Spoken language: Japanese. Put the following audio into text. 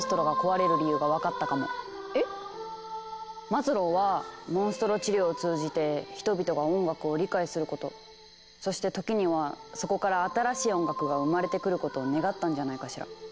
マズローはモンストロ治療を通じて人々が音楽を理解することそして時にはそこから「新しい音楽」が生まれてくることを願ったんじゃないかしら。